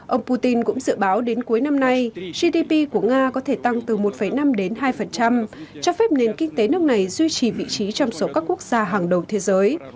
ông putin cũng dự báo đến cuối năm nay gdp của nga có thể tăng từ một năm đến hai cho phép nền kinh tế nước này duy trì vị trí trong số các quốc gia hàng đầu thế giới